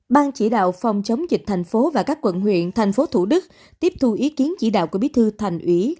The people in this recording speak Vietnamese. ban chỉ đạo phòng chống dịch thành phố và các quận huyện thành phố thủ đức tiếp thu ý kiến chỉ đạo của bí thư thành ủy